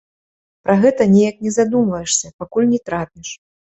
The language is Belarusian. Пра гэта неяк не задумваешся, пакуль не трапіш.